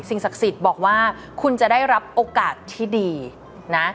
ศักดิ์สิทธิ์บอกว่าคุณจะได้รับโอกาสที่ดีนะ